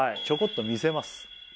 ちょこっと見せます